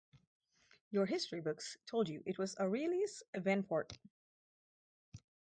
Your history books told you it was Aurelius Venport?